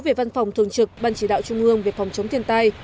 về văn phòng thường trực ban chỉ đạo trung ương về phòng chống thiên tai